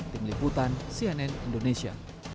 tim liputan cnn indonesia